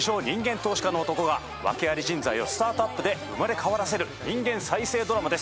投資家の男が訳あり人材をスタートアップで生まれ変わらせる人間再生ドラマです。